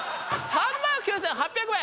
３万９８００円